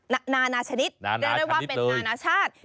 เรียกได้ว่าเป็นนานาชาติ